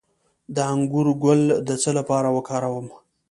د انګور ګل د څه لپاره وکاروم؟